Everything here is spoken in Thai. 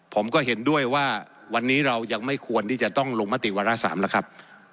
ผมก็เห็นด้วยว่าวันนี้เรายังไม่ควรที่จะต้องลงมติวาระ๓แล้วครับ